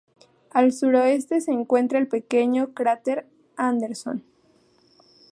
Al sur-suroeste se encuentra el pequeño cráter Andersson.